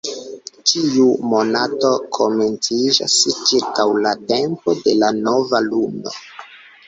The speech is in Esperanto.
Ĉiu monato komenciĝas ĉirkaŭ la tempo de la nova luno.